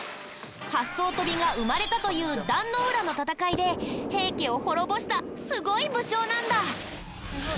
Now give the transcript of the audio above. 八艘飛びが生まれたという壇ノ浦の戦いで平家を滅ぼしたすごい武将なんだ。